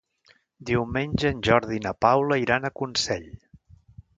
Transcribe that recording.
Diumenge en Jordi i na Paula iran a Consell.